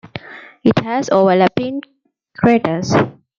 It has overlapping craters.